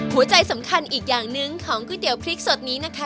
หัวใจสำคัญอีกอย่างหนึ่งของก๋วยเตี๋ยวพริกสดนี้นะคะ